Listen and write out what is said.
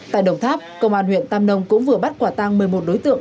tại đồng tháp công an huyện tam nông cũng vừa bắt quả tăng một mươi một đối tượng